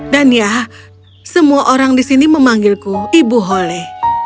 dan ya semua orang di sini memanggilku ibu hole